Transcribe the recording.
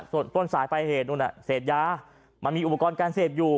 ส่วนสายประเหตุนู้นอ่ะเสร็จย้ามันมีอุปกรณ์การเสพอยู่